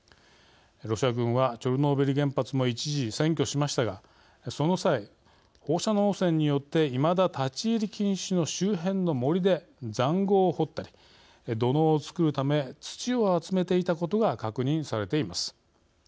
ロシア軍はチョルノービリ原発も一時、占拠しましたがその際、放射能汚染によっていまだ立ち入り禁止の周辺の森でざんごうを掘ったり土のうを作るため土を集めていたことが確認されています。